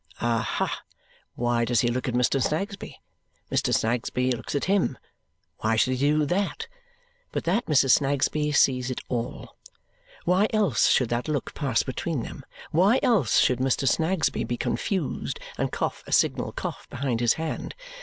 Aha! Why does he look at Mr. Snagsby? Mr. Snagsby looks at him. Why should he do that, but that Mrs. Snagsby sees it all? Why else should that look pass between them, why else should Mr. Snagsby be confused and cough a signal cough behind his hand?